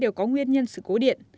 đều có nguyên nhân sự cố điện